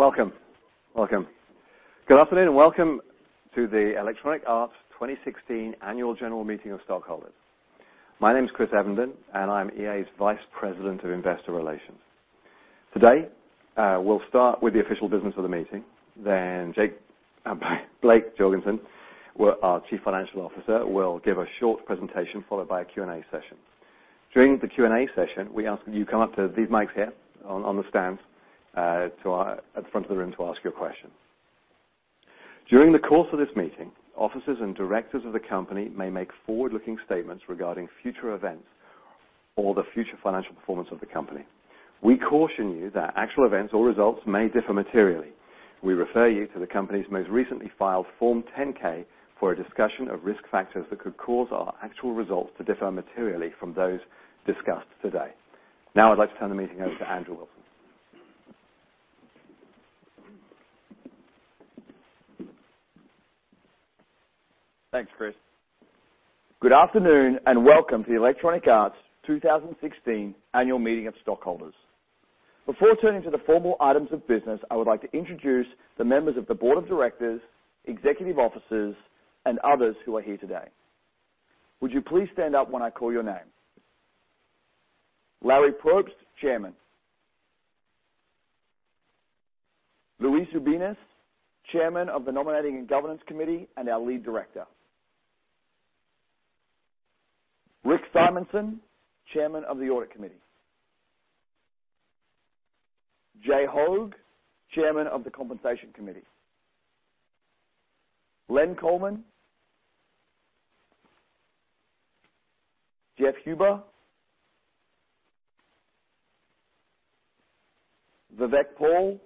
Welcome. Good afternoon, and welcome to the Electronic Arts 2016 Annual General Meeting of Stockholders. My name is Chris Evenden, and I'm EA's Vice President of Investor Relations. Today, we'll start with the official business of the meeting. Blake Jorgensen, our Chief Financial Officer, will give a short presentation, followed by a Q&A session. During the Q&A session, we ask that you come up to these mics here on the stands at the front of the room to ask your question. During the course of this meeting, officers and Directors of the company may make forward-looking statements regarding future events or the future financial performance of the company. We caution you that actual events or results may differ materially. We refer you to the company's most recently filed Form 10-K for a discussion of risk factors that could cause our actual results to differ materially from those discussed today. Now I'd like to turn the meeting over to Andrew Wilson. Thanks, Chris. Good afternoon, and welcome to the Electronic Arts 2016 Annual Meeting of Stockholders. Before turning to the formal items of business, I would like to introduce the members of the Board of Directors, Executive Officers, and others who are here today. Would you please stand up when I call your name? Larry Probst, Chairman. Luis Ubiñas, Chairman of the Nominating and Governance Committee and our Lead Director. Rick Simonson, Chairman of the Audit Committee. Jay Hoag, Chairman of the Compensation Committee. Len Coleman. Jeff Huber. Vivek Paul.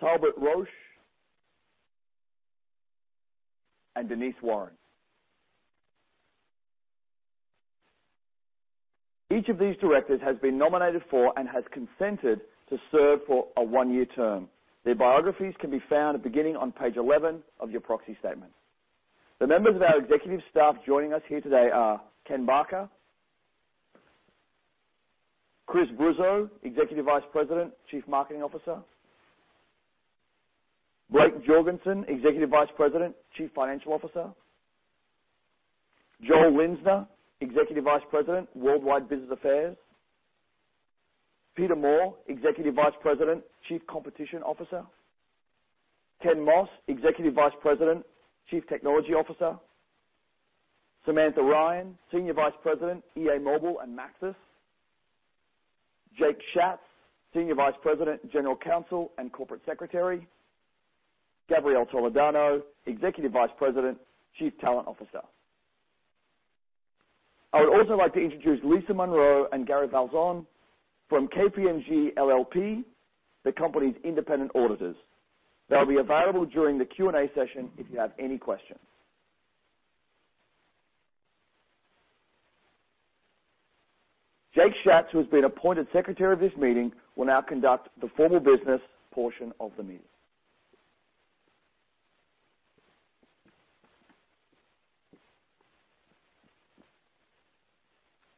Talbott Roche. Denise Warren. Each of these Directors has been nominated for and has consented to serve for a one-year term. Their biographies can be found beginning on page 11 of your proxy statement. The members of our executive staff joining us here today are Ken Barker. Chris Bruzzo, Executive Vice President, Chief Marketing Officer. Blake Jorgensen, Executive Vice President, Chief Financial Officer. Joel Linzner, Executive Vice President, Worldwide Business Affairs. Peter Moore, Executive Vice President, Chief Competition Officer. Ken Moss, Executive Vice President, Chief Technology Officer. Samantha Ryan, Senior Vice President, EA Mobile and Maxis. Jake Schatz, Senior Vice President, General Counsel, and Corporate Secretary. Gabrielle Toledano, Executive Vice President, Chief Talent Officer. I would also like to introduce Lisa Monroe and Gary Valzon from KPMG LLP, the company's independent auditors. They'll be available during the Q&A session if you have any questions. Jake Schatz, who has been appointed Secretary of this meeting, will now conduct the formal business portion of the meeting.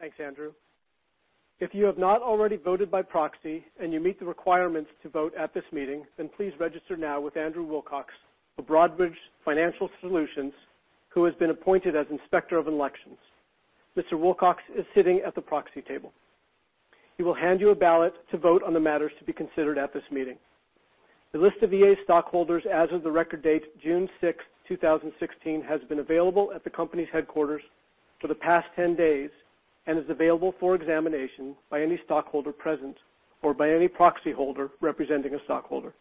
Thanks, Andrew. If you have not already voted by proxy and you meet the requirements to vote at this meeting, then please register now with Andrew Wilcox of Broadridge Financial Solutions, who has been appointed as Inspector of Elections. Mr. Wilcox is sitting at the proxy table. He will hand you a ballot to vote on the matters to be considered at this meeting. The list of EA stockholders as of the record date June 6th, 2016, has been available at the company's headquarters for the past 10 days and is available for examination by any stockholder present or by any proxy holder representing a stockholder.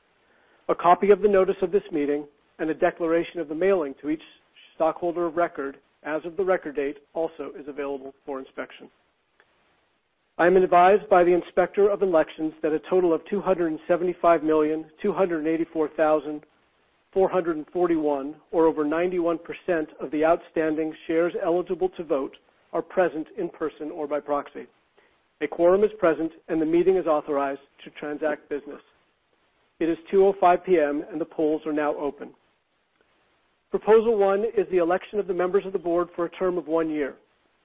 A copy of the notice of this meeting and a declaration of the mailing to each stockholder of record as of the record date also is available for inspection. I am advised by the Inspector of Elections that a total of 275,284,441, or over 91% of the outstanding shares eligible to vote, are present in person or by proxy. A quorum is present, the meeting is authorized to transact business. It is 2:05 P.M., the polls are now open. Proposal 1 is the election of the members of the Board for a term of one year.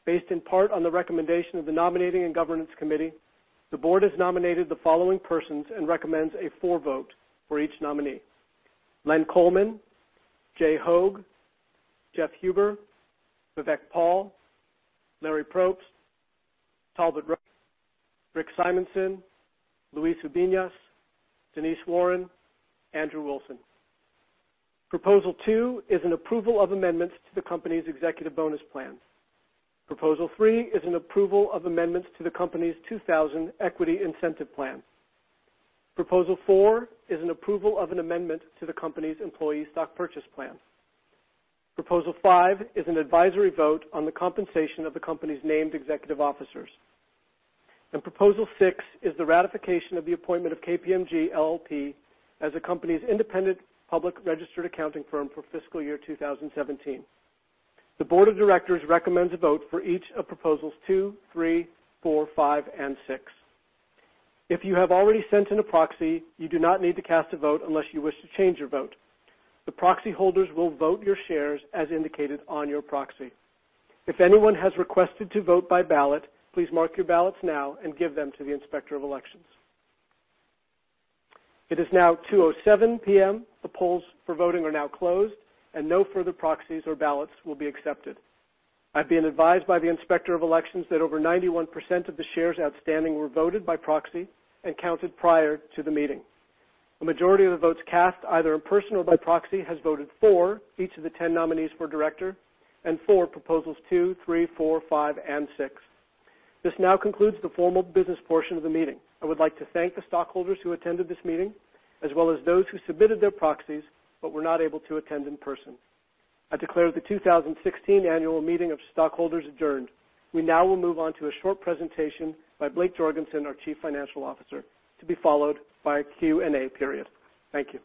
Based in part on the recommendation of the Nominating and Governance Committee, the Board has nominated the following persons and recommends a for vote for each nominee: Len Coleman, Jay Hoag, Jeff Huber, Vivek Paul, Larry Probst, Talbott Roche, Rick Simonson, Luis Ubiñas, Denise Warren, Andrew Wilson. Proposal 2 is an approval of amendments to the company's executive bonus plan. Proposal 3 is an approval of amendments to the company's 2000 equity incentive plan. Proposal 4 is an approval of an amendment to the company's employee stock purchase plan. Proposal 5 is an advisory vote on the compensation of the company's named executive officers. Proposal 6 is the ratification of the appointment of KPMG LLP as the company's independent public registered accounting firm for fiscal year 2017. The Board of Directors recommends a vote for each of Proposals 2, 3, 4, 5, and 6. If you have already sent in a proxy, you do not need to cast a vote unless you wish to change your vote. The proxy holders will vote your shares as indicated on your proxy. If anyone has requested to vote by ballot, please mark your ballots now and give them to the Inspector of Elections. It is now 2:07 P.M. The polls for voting are now closed, no further proxies or ballots will be accepted. I've been advised by the Inspector of Elections that over 91% of the shares outstanding were voted by proxy and counted prior to the meeting. A majority of the votes cast, either in person or by proxy, has voted for each of the 10 nominees for director and for Proposals 2, 3, 4, 5, and 6. This now concludes the formal business portion of the meeting. I would like to thank the stockholders who attended this meeting, as well as those who submitted their proxies but were not able to attend in person. I declare the 2016 Annual Meeting of Stockholders adjourned. We now will move on to a short presentation by Blake Jorgensen, our Chief Financial Officer, to be followed by a Q&A period. Thank you.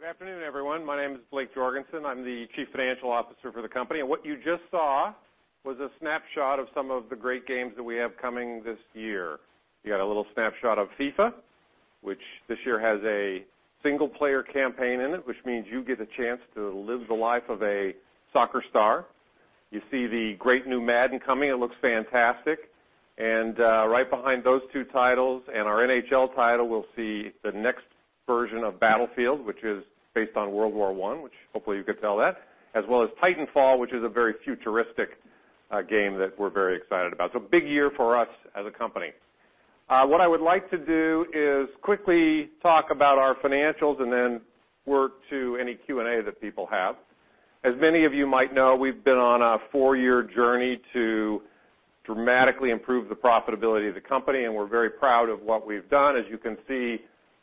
Good afternoon, everyone. My name is Blake Jorgensen. I'm the Chief Financial Officer for the company. What you just saw was a snapshot of some of the great games that we have coming this year. You got a little snapshot of FIFA, which this year has a single-player campaign in it, which means you get a chance to live the life of a soccer star. You see the great new Madden coming. It looks fantastic. Right behind those two titles and our NHL title, we'll see the next version of Battlefield, which is based on World War I, which hopefully you could tell that, as well as Titanfall, which is a very futuristic game that we're very excited about. Big year for us as a company. What I would like to do is quickly talk about our financials and then work to any Q&A that people have. As many of you might know, we've been on a four-year journey to dramatically improve the profitability of the company, and we're very proud of what we've done, as you can see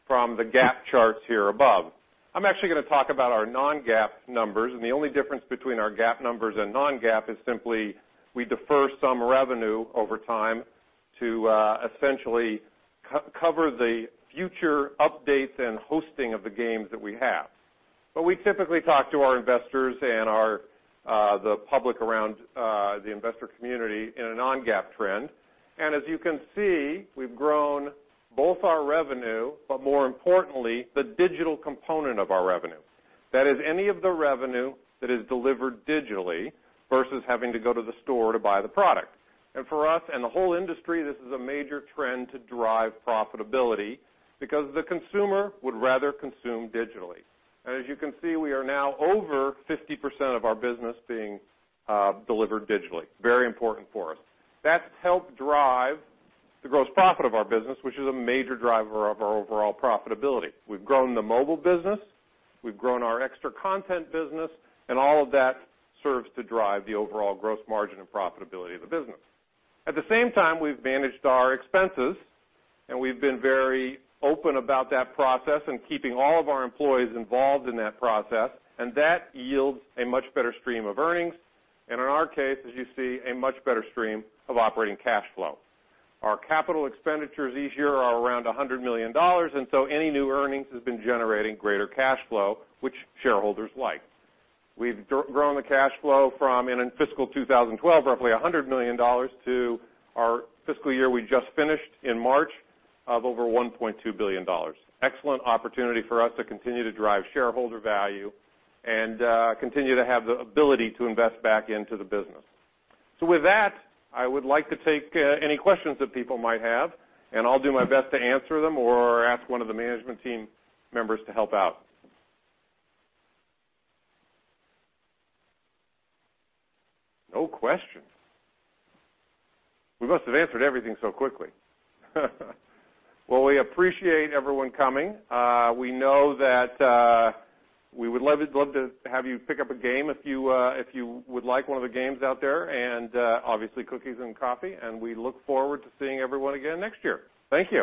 from the GAAP charts here above. I'm actually going to talk about our non-GAAP numbers. The only difference between our GAAP numbers and non-GAAP is simply we defer some revenue over time to essentially cover the future updates and hosting of the games that we have. We typically talk to our investors and the public around the investor community in a non-GAAP trend. As you can see, we've grown both our revenue, but more importantly, the digital component of our revenue. That is any of the revenue that is delivered digitally versus having to go to the store to buy the product. For us and the whole industry, this is a major trend to drive profitability because the consumer would rather consume digitally. As you can see, we are now over 50% of our business being delivered digitally. Very important for us. That's helped drive the gross profit of our business, which is a major driver of our overall profitability. We've grown the mobile business, we've grown our extra content business, and all of that serves to drive the overall gross margin and profitability of the business. At the same time, we've managed our expenses, and we've been very open about that process and keeping all of our employees involved in that process, and that yields a much better stream of earnings, and in our case, as you see, a much better stream of operating cash flow. Our capital expenditures each year are around $100 million, any new earnings has been generating greater cash flow, which shareholders like. We've grown the cash flow from in fiscal 2012, roughly $100 million, to our fiscal year we just finished in March of over $1.2 billion. Excellent opportunity for us to continue to drive shareholder value and continue to have the ability to invest back into the business. With that, I would like to take any questions that people might have, and I'll do my best to answer them or ask one of the management team members to help out. No questions. We must have answered everything so quickly. Well, we appreciate everyone coming. We know that we would love to have you pick up a game if you would like one of the games out there and obviously cookies and coffee. We look forward to seeing everyone again next year. Thank you.